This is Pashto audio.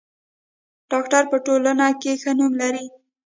ډاکټر په ټولنه کې ښه نوم لري.